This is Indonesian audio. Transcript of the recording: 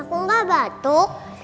aku gak batuk